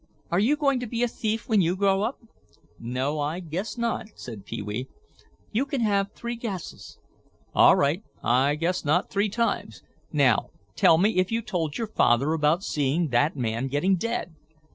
"Are you going to be a thief when you grow up?" "No, I guess not," said Pee wee. "You can have three guesses." "All right, I guess not three times. Now, tell me if you told your father about seeing that man getting dead."